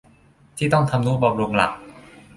ที่ต้องทำนุบำรุงหลัก